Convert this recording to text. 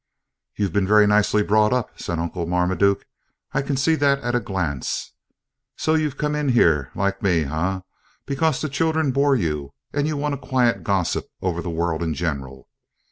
"You've been very nicely brought up," said Uncle Marmaduke, "I can see that at a glance. So you've come in here, like me, eh? because the children bore you, and you want a quiet gossip over the world in general?